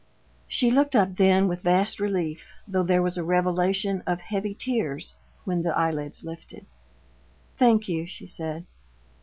She looked up then with vast relief, though there was a revelation of heavy tears when the eyelids lifted. "Thank you," she said.